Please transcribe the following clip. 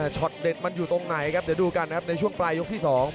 ช็อตเด็ดมันอยู่ตรงไหนครับเดี๋ยวดูกันนะครับในช่วงปลายยกที่๒